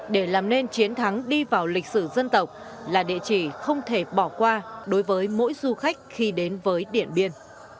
để làm nên chiến thắng đi vào lịch sử dân tộc là địa chỉ không thể bỏ qua đối với mỗi du khách khi đến với điện biên